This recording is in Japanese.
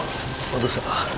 どうした？